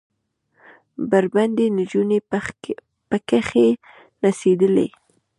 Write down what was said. بربنډې نجونې پکښې نڅېدلې.